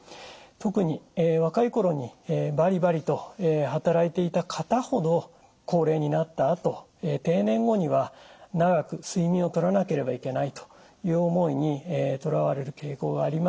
特に若い頃にバリバリと働いていた方ほど高齢になったあと定年後には長く睡眠をとらなければいけないという思いにとらわれる傾向があります。